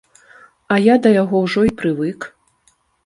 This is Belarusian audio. А я да яго ўжо і прывык.